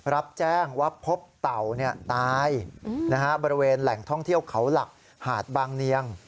รับแจ้งว่าพบเต่าตายบริเวณแหล่งท่องเที่ยวเขาหลักหาดบางเนียง